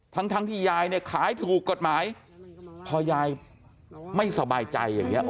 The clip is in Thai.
ทั้งทั้งที่ยายเนี่ยขายถูกกฎหมายพอยายไม่สบายใจอย่างนี้